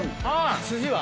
筋は？